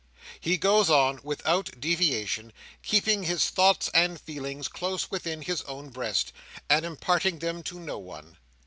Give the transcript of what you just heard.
He goes on, without deviation, keeping his thoughts and feelings close within his own breast, and imparting them to no one.